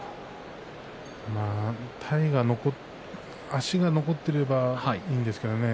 足が残っていればいいんですけどね。